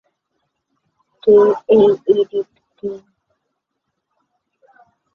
চৌধুরী হারুনুর রশীদ চট্টগ্রাম জেলার পটিয়া উপজেলার মনসা গ্রামে জন্মগ্রহণ করেন।